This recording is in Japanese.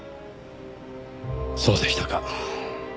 そうでしたか。